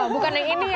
bukan yang ini ya